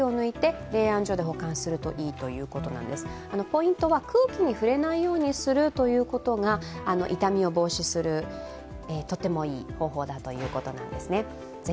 ポイントは空気に触れないようにすることが傷みを防止するとてもいい方法だということです。